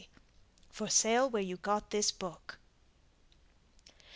For sale where you got this book.